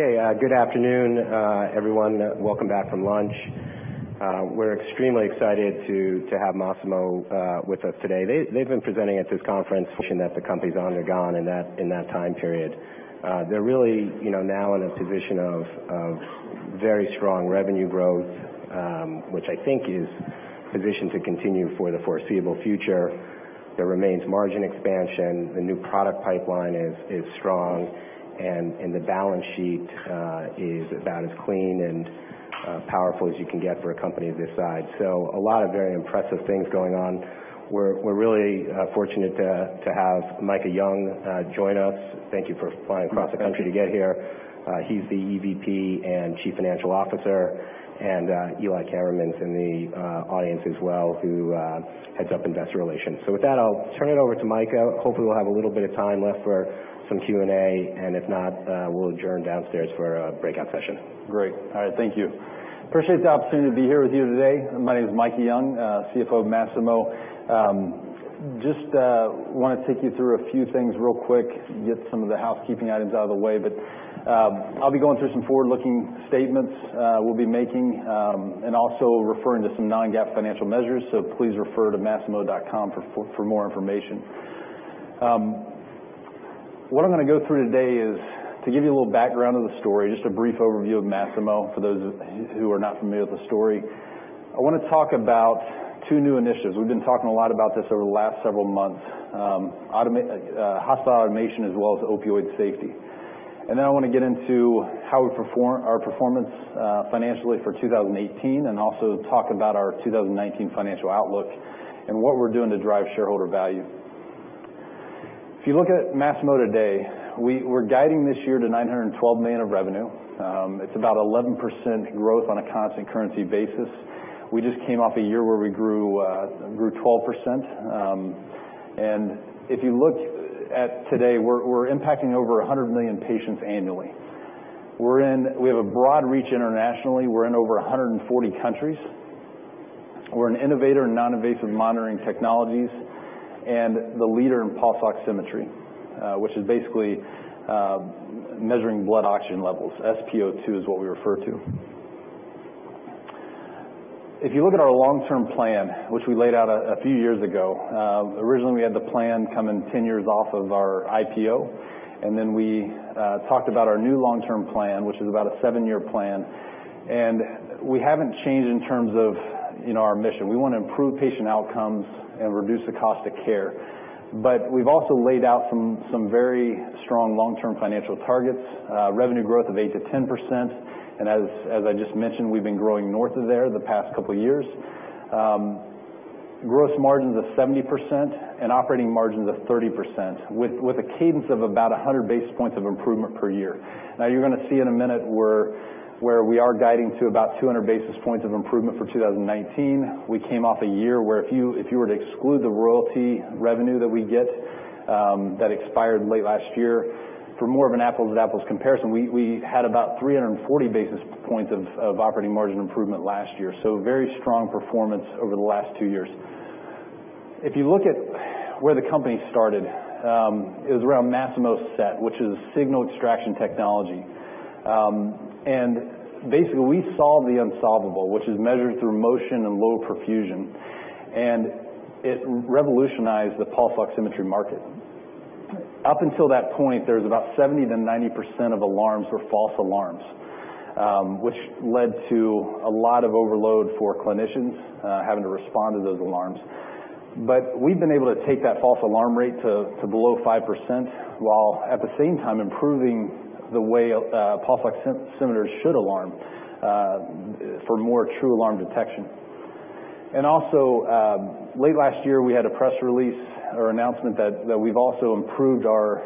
Okay, good afternoon, everyone. Welcome back from lunch. We're extremely excited to have Masimo with us today. They've been presenting at this conference that the company's undergone in that time period. They're really now in a position of very strong revenue growth, which I think is positioned to continue for the foreseeable future. There remains margin expansion. The new product pipeline is strong, and the balance sheet is about as clean and powerful as you can get for a company of this size. So, a lot of very impressive things going on. We're really fortunate to have Micah Young join us. Thank you for flying across the country to get here. He's the EVP and Chief Financial Officer, and Eli Kammerman's in the audience as well, who heads up Investor Relations. So, with that, I'll turn it over to Micah. Hopefully, we'll have a little bit of time left for some Q&A, and if not, we'll adjourn downstairs for a breakout session. Great. All right, thank you. Appreciate the opportunity to be here with you today. My name's Micah Young, CFO of Masimo. Just want to take you through a few things real quick, get some of the housekeeping items out of the way, but I'll be going through some forward-looking statements we'll be making and also referring to some non-GAAP financial measures, so please refer to masimo.com for more information. What I'm going to go through today is, to give you a little background of the story, just a brief overview of Masimo for those who are not familiar with the story. I want to talk about two new initiatives. We've been talking a lot about this over the last several months, hospital automation as well as opioid safety. And then I want to get into how we performed our performance financially for 2018 and also talk about our 2019 financial outlook and what we're doing to drive shareholder value. If you look at Masimo today, we're guiding this year to $912 million of revenue. It's about 11% growth on a constant currency basis. We just came off a year where we grew 12%. And if you look at today, we're impacting over 100 million patients annually. We have a broad reach internationally. We're in over 140 countries. We're an innovator in non-invasive monitoring technologies and the leader in pulse oximetry, which is basically measuring blood oxygen levels. SpO2 is what we refer to. If you look at our long-term plan, which we laid out a few years ago, originally we had the plan come in 10 years off of our IPO, and then we talked about our new long-term plan, which is about a seven-year plan, and we haven't changed in terms of our mission. We want to improve patient outcomes and reduce the cost of care, but we've also laid out some very strong long-term financial targets, revenue growth of 8%-10%, and as I just mentioned, we've been growing north of there the past couple of years. Gross margins of 70% and operating margins of 30%, with a cadence of about 100 basis points of improvement per year. Now, you're going to see in a minute where we are guiding to about 200 basis points of improvement for 2019. We came off a year where, if you were to exclude the royalty revenue that we get that expired late last year, for more of an apples-to-apples comparison, we had about 340 basis points of operating margin improvement last year, so very strong performance over the last two years. If you look at where the company started, it was around Masimo SET, which is a signal extraction technology, and basically, we solved the unsolvable, which is measured through motion and low perfusion, and it revolutionized the pulse oximetry market. Up until that point, there was about 70%-90% of alarms were false alarms, which led to a lot of overload for clinicians having to respond to those alarms, but we've been able to take that false alarm rate to below 5% while at the same time improving the way pulse oximeters should alarm for more true alarm detection. Also, late last year, we had a press release or announcement that we've also improved our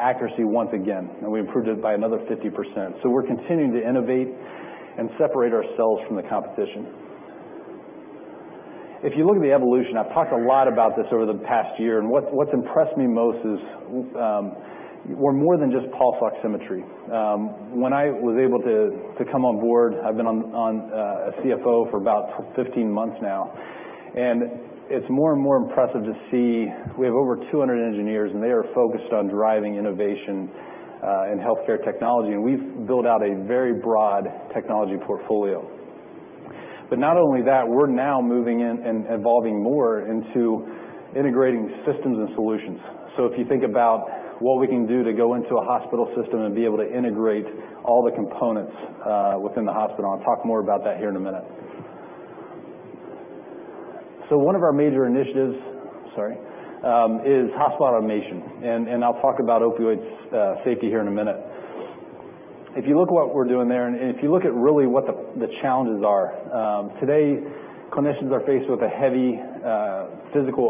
accuracy once again, and we improved it by another 50%. So, we're continuing to innovate and separate ourselves from the competition. If you look at the evolution, I've talked a lot about this over the past year, and what's impressed me most is we're more than just pulse oximetry. When I was able to come on board, I've been a CFO for about 15 months now, and it's more and more impressive to see we have over 200 engineers, and they are focused on driving innovation in healthcare technology, and we've built out a very broad technology portfolio. Not only that, we're now moving in and evolving more into integrating systems and solutions. So, if you think about what we can do to go into a hospital system and be able to integrate all the components within the hospital, I'll talk more about that here in a minute. So, one of our major initiatives, sorry, is hospital automation, and I'll talk about opioid safety here in a minute. If you look at what we're doing there, and if you look at really what the challenges are, today, clinicians are faced with a heavy physical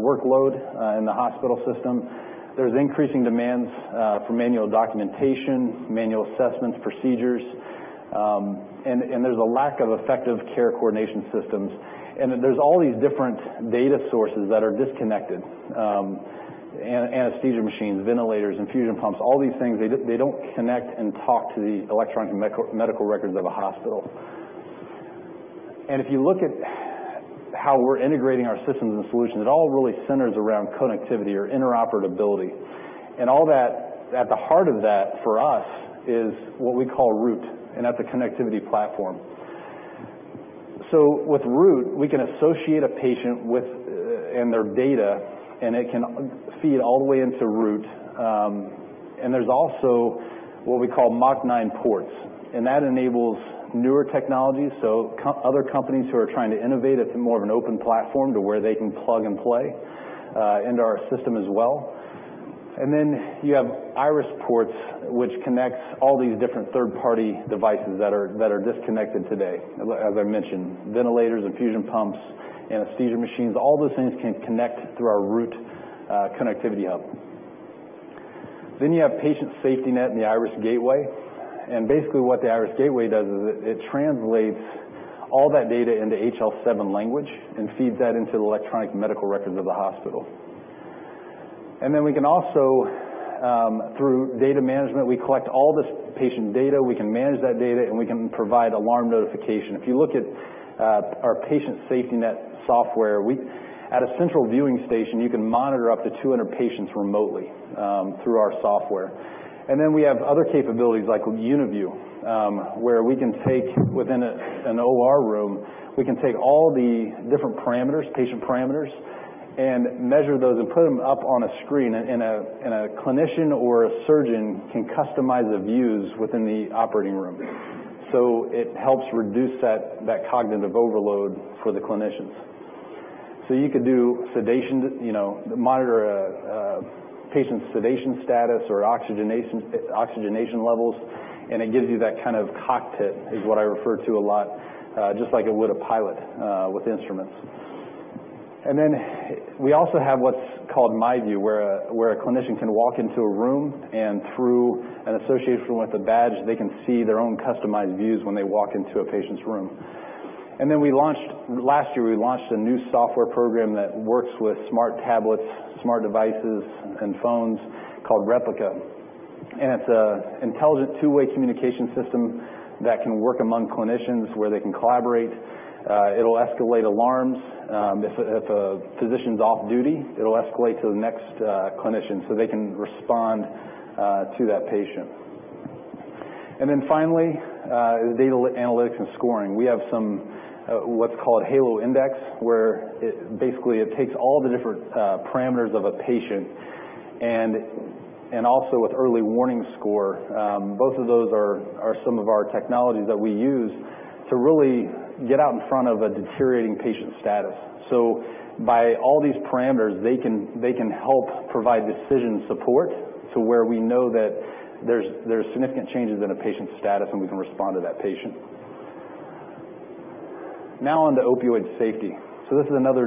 workload in the hospital system. There's increasing demands for manual documentation, manual assessments, procedures, and there's a lack of effective care coordination systems. And there's all these different data sources that are disconnected: anesthesia machines, ventilators, infusion pumps, all these things, they don't connect and talk to the electronic medical records of a hospital. And if you look at how we're integrating our systems and solutions, it all really centers around connectivity or interoperability. And all that, at the heart of that for us, is what we call Root, and that's a connectivity platform. So, with Root, we can associate a patient with their data, and it can feed all the way into Root. And there's also what we call MOC-9 ports, and that enables newer technologies. So, other companies who are trying to innovate, it's more of an open platform to where they can plug and play into our system as well. And then you have Iris Ports, which connects all these different third-party devices that are disconnected today. As I mentioned, ventilators, infusion pumps, anesthesia machines, all those things can connect through our Root connectivity hub. Then you have Patient SafetyNet and the Iris Gateway. Basically, what the Iris Gateway does is it translates all that data into HL7 language and feeds that into the electronic medical records of the hospital. Then we can also, through data management, we collect all this patient data, we can manage that data, and we can provide alarm notification. If you look at our Patient SafetyNet software, at a central viewing station, you can monitor up to 200 patients remotely through our software. Then we have other capabilities like UniView, where we can take, within an OR room, we can take all the different parameters, patient parameters, and measure those and put them up on a screen, and a clinician or a surgeon can customize the views within the operating room. It helps reduce that cognitive overload for the clinicians. So, you could do sedation, monitor a patient's sedation status or oxygenation levels, and it gives you that kind of cockpit, is what I refer to a lot, just like it would a pilot with instruments. And then we also have what's called MyView, where a clinician can walk into a room, and through an association with a badge, they can see their own customized views when they walk into a patient's room. And then we launched, last year, we launched a new software program that works with smart tablets, smart devices, and phones called Replica. And it's an intelligent two-way communication system that can work among clinicians where they can collaborate. It'll escalate alarms. If a physician's off duty, it'll escalate to the next clinician so they can respond to that patient. And then finally is data analytics and scoring. We have some, let's call it Halo Index, where basically it takes all the different parameters of a patient and also with early warning score. Both of those are some of our technologies that we use to really get out in front of a deteriorating patient status, so by all these parameters, they can help provide decision support to where we know that there's significant changes in a patient's status, and we can respond to that patient. Now on to opioid safety, so this is another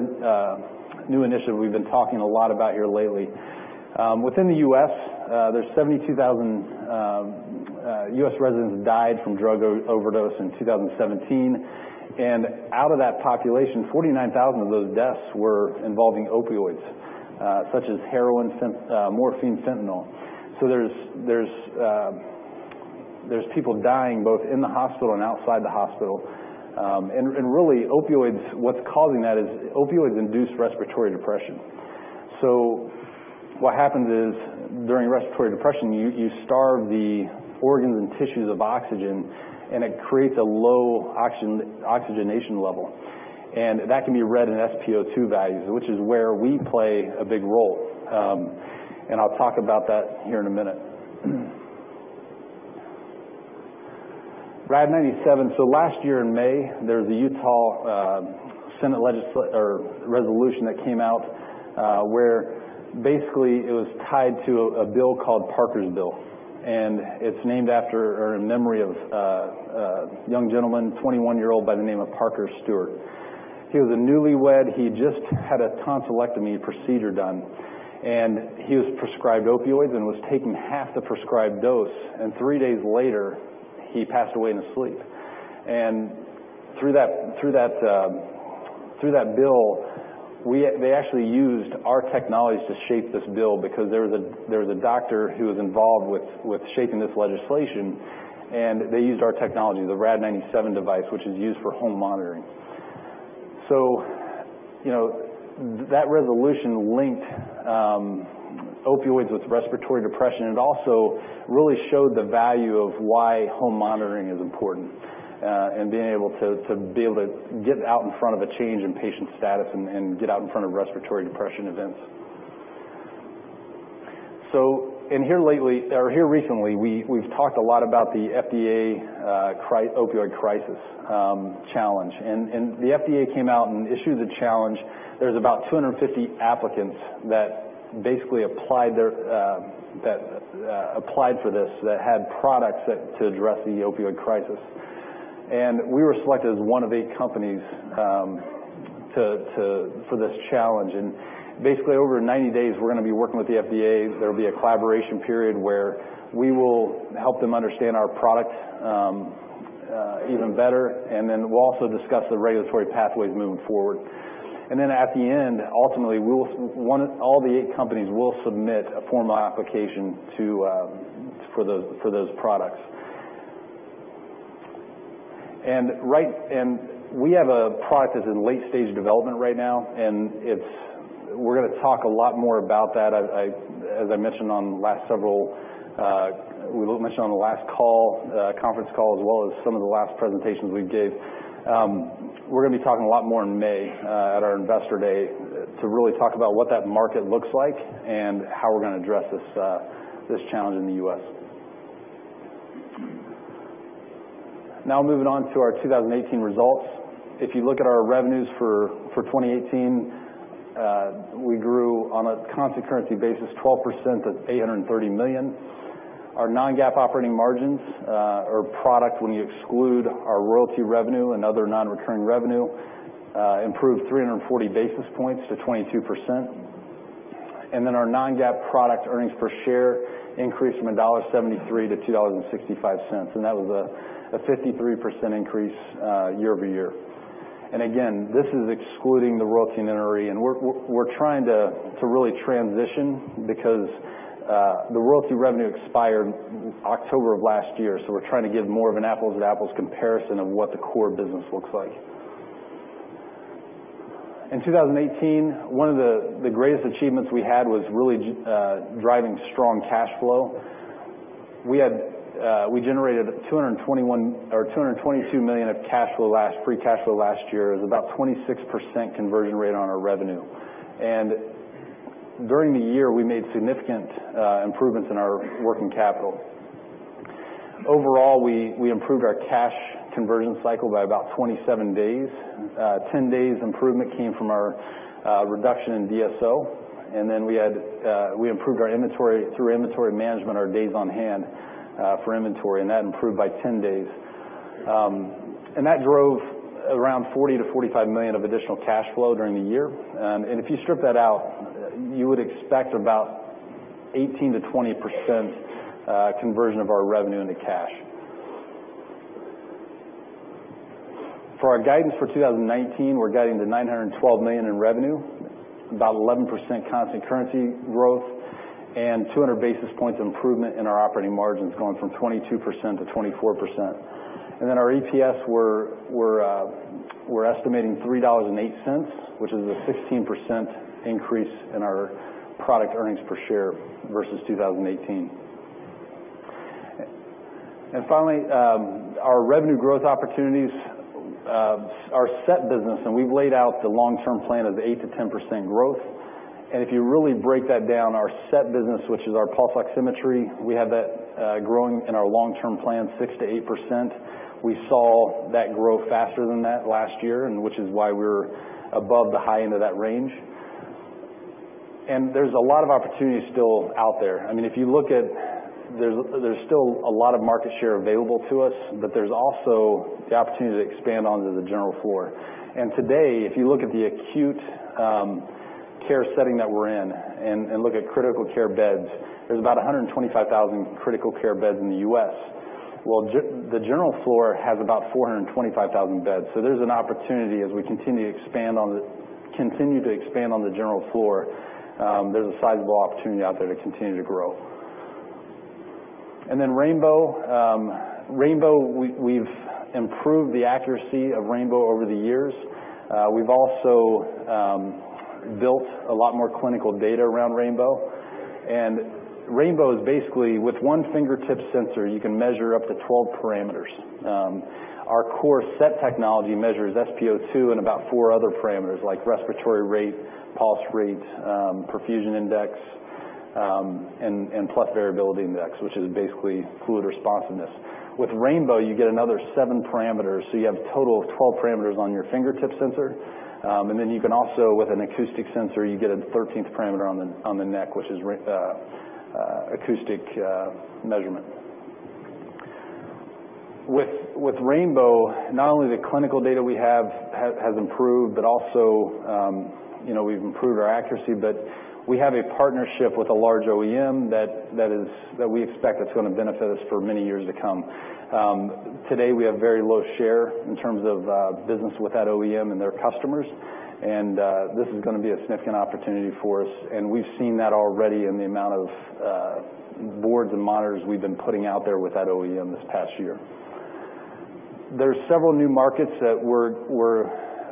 new initiative we've been talking a lot about here lately. Within the U.S., 72,000 U.S. residents died from drug overdose in 2017, and out of that population, 49,000 of those deaths were involving opioids, such as heroin, morphine, fentanyl. So, there's people dying both in the hospital and outside the hospital, and really, opioids, what's causing that is opioid-induced respiratory depression. So, what happens is during respiratory depression, you starve the organs and tissues of oxygen, and it creates a low oxygenation level. And that can be read in SpO2 values, which is where we play a big role. And I'll talk about that here in a minute. Rad-97, so last year in May, there was a Utah Senate resolution that came out where basically it was tied to a bill called Parker's Bill, and it's named after or in memory of a young gentleman, 21-year-old by the name of Parker Stewart. He was a newlywed. He just had a tonsillectomy procedure done, and he was prescribed opioids and was taking half the prescribed dose. And three days later, he passed away in his sleep. And through that bill, they actually used our technologies to shape this bill because there was a doctor who was involved with shaping this legislation, and they used our technology, the Rad-97 device, which is used for home monitoring. So, that resolution linked opioids with respiratory depression, and it also really showed the value of why home monitoring is important and being able to get out in front of a change in patient status and get out in front of respiratory depression events. So, and here recently, we've talked a lot about the FDA opioid crisis challenge. And the FDA came out and issued the challenge. There's about 250 applicants that basically applied for this that had products to address the opioid crisis. And we were selected as one of eight companies for this challenge. And basically, over 90 days, we're going to be working with the FDA. There'll be a collaboration period where we will help them understand our product even better, and then we'll also discuss the regulatory pathways moving forward. And then at the end, ultimately, all the eight companies will submit a formal application for those products. And we have a product that's in late-stage development right now, and we're going to talk a lot more about that, as I mentioned on the last call, conference call, as well as some of the last presentations we gave. We're going to be talking a lot more in May at our Investor Day to really talk about what that market looks like and how we're going to address this challenge in the U.S. Now moving on to our 2018 results. If you look at our revenues for 2018, we grew on a constant currency basis 12% to $830 million. Our non-GAAP operating margins on product, when you exclude our royalty revenue and other non-recurring revenue, improved 340 basis points to 22%, and then our non-GAAP product earnings per share increased from $1.73 to $2.65, and that was a 53% increase year-over-year, and again, this is excluding the royalty and nonrecurring. And we're trying to really transition because the royalty revenue expired October of last year, so we're trying to give more of an apples-to-apples comparison of what the core business looks like. In 2018, one of the greatest achievements we had was really driving strong cash flow. We generated $222 million of Free Cash Flow last year. It was about 26% conversion rate on our revenue, and during the year, we made significant improvements in our working capital. Overall, we improved our cash conversion cycle by about 27 days. 10 days' improvement came from our reduction in DSO, and then we improved through inventory management our days on hand for inventory, and that improved by 10 days. And that drove around $40 million-$45 million of additional cash flow during the year. And if you strip that out, you would expect about 18%-20% conversion of our revenue into cash. For our guidance for 2019, we're guiding to $912 million in revenue, about 11% constant currency growth, and 200 basis points improvement in our operating margins going from 22%-24%. And then our EPS, we're estimating $3.08, which is a 16% increase in our product earnings per share versus 2018. And finally, our revenue growth opportunities, our SET business, and we've laid out the long-term plan of 8%-10% growth. If you really break that down, our set business, which is our pulse oximetry, we have that growing in our long-term plan 6%-8%. We saw that grow faster than that last year, which is why we're above the high end of that range. There's a lot of opportunity still out there. I mean, if you look at, there's still a lot of market share available to us, but there's also the opportunity to expand onto the general floor. Today, if you look at the acute care setting that we're in and look at critical care beds, there's about 125,000 critical care beds in the U.S. The general floor has about 425,000 beds. There's an opportunity as we continue to expand on the general floor. There's a sizable opportunity out there to continue to grow. And then Rainbow, we've improved the accuracy of Rainbow over the years. We've also built a lot more clinical data around Rainbow. And Rainbow is basically, with one fingertip sensor, you can measure up to 12 parameters. Our core SET technology measures SpO2 and about four other parameters like respiratory rate, pulse rate, perfusion index, and pleth variability index, which is basically fluid responsiveness. With Rainbow, you get another seven parameters. So, you have a total of 12 parameters on your fingertip sensor. And then you can also, with an acoustic sensor, you get a 13th parameter on the neck, which is acoustic measurement. With Rainbow, not only the clinical data we have has improved, but also we've improved our accuracy, but we have a partnership with a large OEM that we expect is going to benefit us for many years to come. Today, we have very low share in terms of business with that OEM and their customers, and this is going to be a significant opportunity for us. And we've seen that already in the amount of boards and monitors we've been putting out there with that OEM this past year. There's several new markets that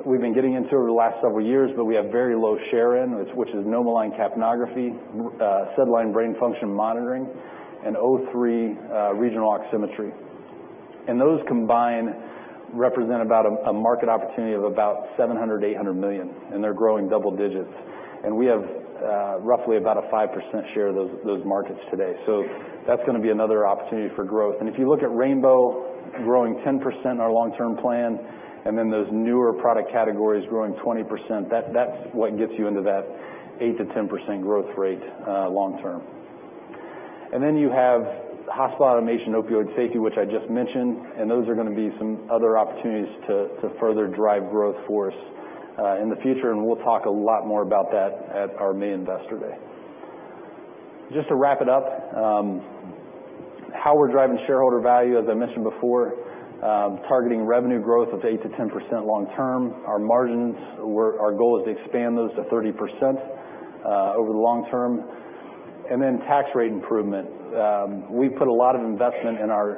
we've been getting into over the last several years, but we have very low share in, which is NomoLine capnography, SedLine brain function monitoring, and O3 regional oximetry. And those combined represent about a market opportunity of about $700 million-$800 million, and they're growing double digits. And we have roughly about a 5% share of those markets today. So, that's going to be another opportunity for growth. And if you look at Rainbow growing 10% in our long-term plan, and then those newer product categories growing 20%, that's what gets you into that 8%-10% growth rate long-term. And then you have hospital automation opioid safety, which I just mentioned, and those are going to be some other opportunities to further drive growth for us in the future, and we'll talk a lot more about that at our May Investor Day. Just to wrap it up, how we're driving shareholder value, as I mentioned before, targeting revenue growth of 8%-10% long-term. Our margins, our goal is to expand those to 30% over the long-term. And then tax rate improvement. We've put a lot of investment in our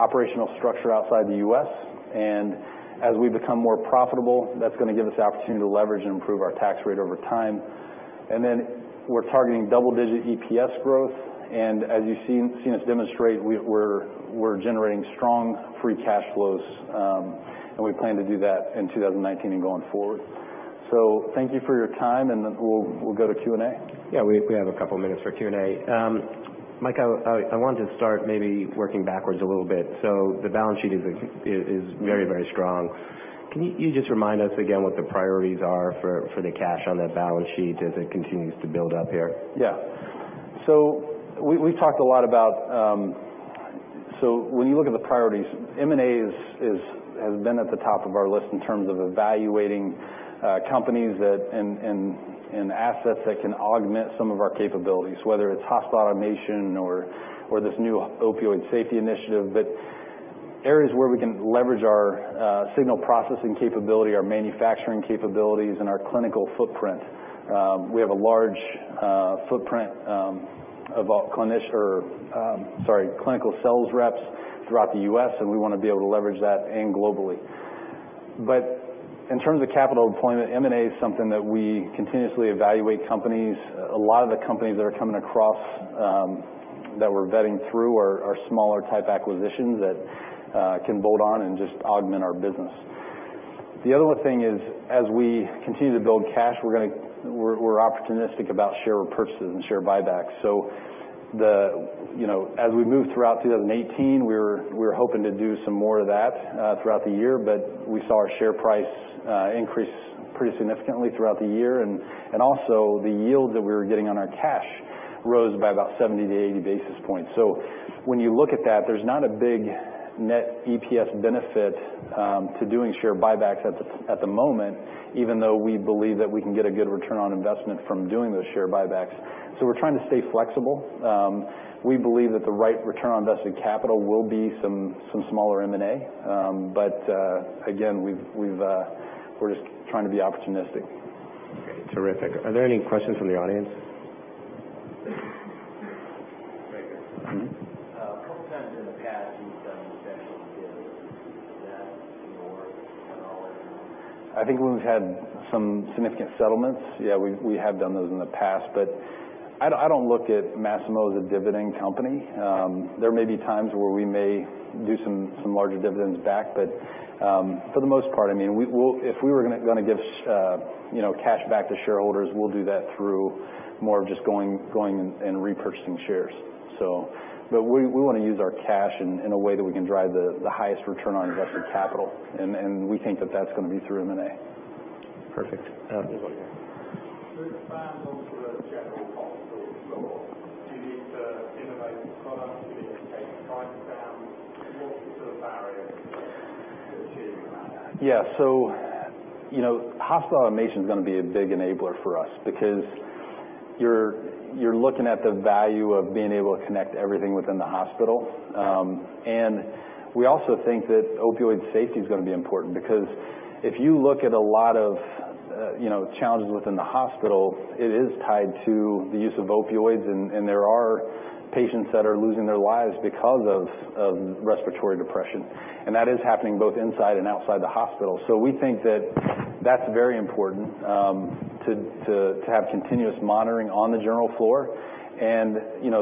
operational structure outside the U.S., and as we become more profitable, that's going to give us the opportunity to leverage and improve our tax rate over time. And then we're targeting double-digit EPS growth, and as you've seen us demonstrate, we're generating strong Free Cash Flows, and we plan to do that in 2019 and going forward. So, thank you for your time, and we'll go to Q&A. Yeah, we have a couple of minutes for Q&A. Micah, I wanted to start maybe working backwards a little bit. So, the balance sheet is very, very strong. Can you just remind us again what the priorities are for the cash on that balance sheet as it continues to build up here? Yeah. So, we've talked a lot about, so when you look at the priorities, M&A has been at the top of our list in terms of evaluating companies and assets that can augment some of our capabilities, whether it's hospital automation or this new opioid safety initiative. But areas where we can leverage our signal processing capability, our manufacturing capabilities, and our clinical footprint. We have a large footprint of clinical sales reps throughout the U.S., and we want to be able to leverage that globally. But in terms of capital deployment, M&A is something that we continuously evaluate companies. A lot of the companies that are coming across that we're vetting through are smaller-type acquisitions that can bolt on and just augment our business. The other thing is, as we continue to build cash, we're opportunistic about share purchases and share buybacks. So, as we moved throughout 2018, we were hoping to do some more of that throughout the year, but we saw our share price increase pretty significantly throughout the year. And also, the yields that we were getting on our cash rose by about 70 basis points-80 basis points. So, when you look at that, there's not a big net EPS benefit to doing share buybacks at the moment, even though we believe that we can get a good return on investment from doing those share buybacks. So, we're trying to stay flexible. We believe that the right return on invested capital will be some smaller M&A, but again, we're just trying to be opportunistic. Okay, terrific. Are there any questions from the audience? Right here. A couple of times in the past, you've done special dividends. Is that in your work at all? I think we've had some significant settlements. Yeah, we have done those in the past, but I don't look at Masimo as a dividend company. There may be times where we may do some larger dividends back, but for the most part, I mean, if we were going to give cash back to shareholders, we'll do that through more of just going and repurchasing shares. So, but we want to use our cash in a way that we can drive the highest return on invested capital, and we think that that's going to be through M&A. Perfect. There's one here. To expand onto a general hospital floor, do you need to innovate the product? Do you need to take time down? What's the barrier to achieving that? Yeah, so hospital automation is going to be a big enabler for us because you're looking at the value of being able to connect everything within the hospital. And we also think that opioid safety is going to be important because if you look at a lot of challenges within the hospital, it is tied to the use of opioids, and there are patients that are losing their lives because of respiratory depression. And that is happening both inside and outside the hospital. So, we think that that's very important to have continuous monitoring on the general floor. And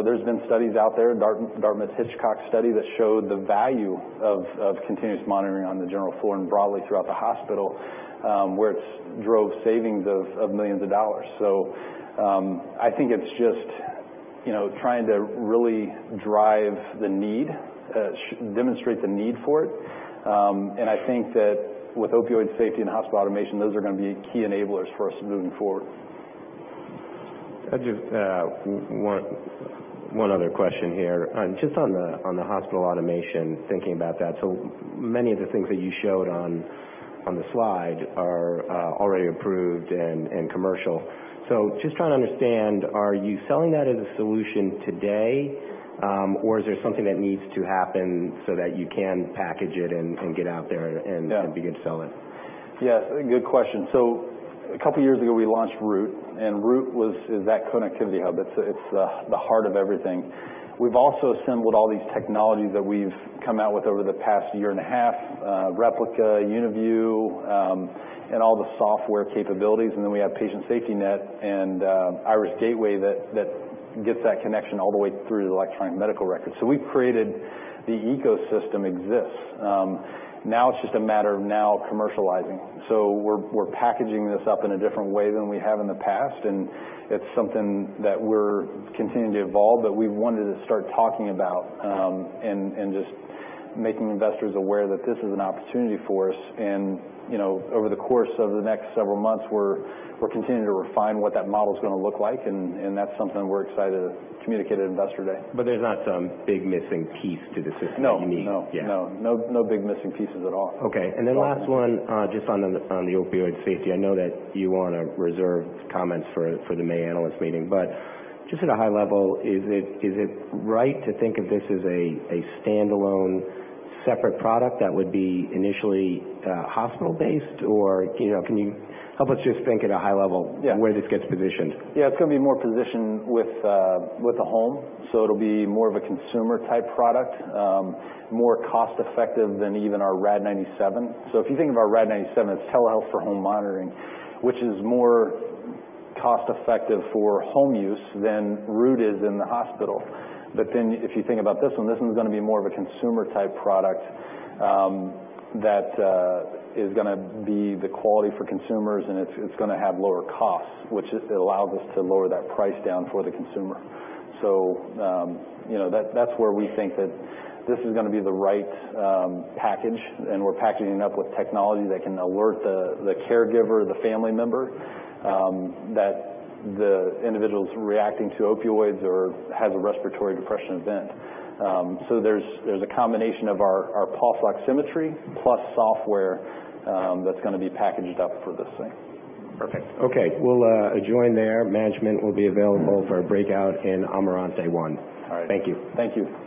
there's been studies out there, Dartmouth-Hitchcock study that showed the value of continuous monitoring on the general floor and broadly throughout the hospital, where it drove savings of millions of dollars. So, I think it's just trying to really drive the need, demonstrate the need for it. I think that with opioid safety and hospital automation, those are going to be key enablers for us moving forward. I just want one other question here. Just on the hospital automation, thinking about that, so many of the things that you showed on the slide are already approved and commercial. So, just trying to understand, are you selling that as a solution today, or is there something that needs to happen so that you can package it and get out there and begin to sell it? Yeah, good question. So, a couple of years ago, we launched Root, and Root is that connectivity hub. It's the heart of everything. We've also assembled all these technologies that we've come out with over the past year and a half, Replica, UniView, and all the software capabilities. And then we have Patient SafetyNet and Iris Gateway that gets that connection all the way through the electronic medical record. So, we've created the ecosystem exists. Now it's just a matter of now commercializing. So, we're packaging this up in a different way than we have in the past, and it's something that we're continuing to evolve that we've wanted to start talking about and just making investors aware that this is an opportunity for us. Over the course of the next several months, we're continuing to refine what that model is going to look like, and that's something we're excited to communicate at Investor Day. But there's not some big missing piece to this that you need? No, no, no, no big missing pieces at all. Okay. And then last one, just on the opioid safety. I know that you want to reserve comments for the May analyst meeting, but just at a high level, is it right to think of this as a standalone separate product that would be initially hospital-based? Or can you help us just think at a high level where this gets positioned? Yeah, it's going to be more positioned with a home. So, it'll be more of a consumer-type product, more cost-effective than even our Rad-97. So, if you think of our Rad-97, it's telehealth for home monitoring, which is more cost-effective for home use than Root is in the hospital. But then if you think about this one, this one's going to be more of a consumer-type product that is going to be the quality for consumers, and it's going to have lower costs, which allows us to lower that price down for the consumer. So, that's where we think that this is going to be the right package, and we're packaging it up with technology that can alert the caregiver, the family member, that the individual's reacting to opioids or has a respiratory depression event. There's a combination of our pulse oximetry plus software that's going to be packaged up for this thing. Perfect. Okay, we'll join there. Management will be available for a breakout in [omron day one] All right. Thank you. Thank you.